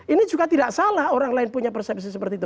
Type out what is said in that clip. ini juga tidak salah orang lain punya persepsi seperti itu